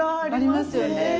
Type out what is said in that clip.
ありますよね。